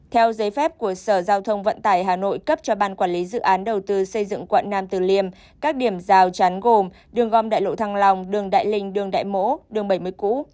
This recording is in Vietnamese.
theo giấy phép của sở giao thông vận tải hà nội cấp cho ban quản lý dự án đầu tư xây dựng quận nam từ liêm các điểm rào chắn gồm đường gom đại lộ thăng long đường đại linh đường đại mỗ đường bảy mươi cũ